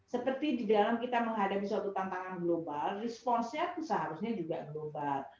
seperti di dalam kita menghadapi suatu tantangan global responsenya seharusnya juga global